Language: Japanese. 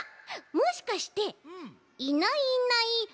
もしかして「いないいないばぁ」